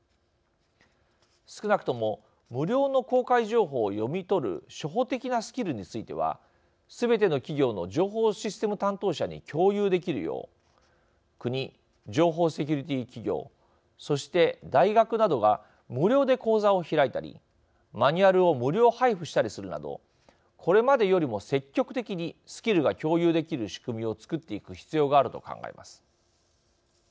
少なくとも無料の公開情報を読み取る初歩的なスキルについてはすべての企業の情報システム担当者に共有できるよう国、情報セキュリティー企業そして大学などが無料で講座を開いたりマニュアルを無料配布したりするなどこれまでよりも積極的にスキルが共有できる仕組みを作っていく必要があると考えます。